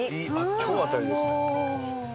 超当たりですね。